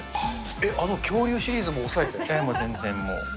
えっ、あの恐竜シリーズも抑もう全然もう。